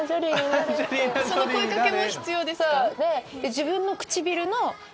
声掛けも必要ですか